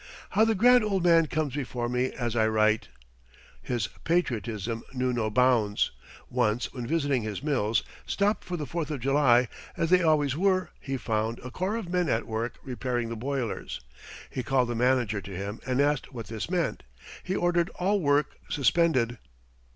How the grand old man comes before me as I write. His patriotism knew no bounds. Once when visiting his mills, stopped for the Fourth of July, as they always were, he found a corps of men at work repairing the boilers. He called the manager to him and asked what this meant. He ordered all work suspended.